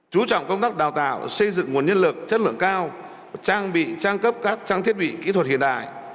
chú trọng công tác đào tạo xây dựng nguồn nhân lực chất lượng cao trang bị trang cấp các trang thiết bị kỹ thuật hiện đại